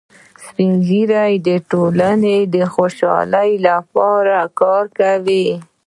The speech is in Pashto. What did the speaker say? سپین ږیری د ټولنې د خوشحالۍ لپاره کار کوي